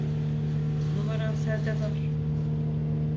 Numaram sende var.